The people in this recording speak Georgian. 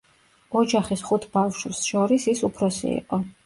ოჯახის ხუთ ბავშვს შორის ის უფროსი იყო.